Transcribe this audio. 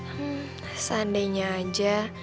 hmm seandainya aja